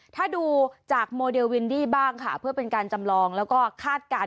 ถ้าดูจากโมเดลวินดี้บ้างค่ะเพื่อเป็นการจำลองแล้วก็คาดการณ